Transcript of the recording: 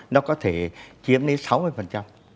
nó có thể chiếm đến sáu mươi